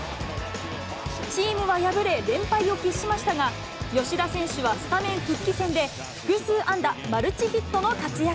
チームは敗れ、連敗を喫しましたが、吉田選手はスタメン復帰戦で複数安打・マルチヒットの活躍。